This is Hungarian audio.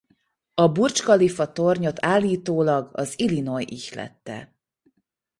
A Burdzs Kalifa tornyot állítólag az Illinois ihlette.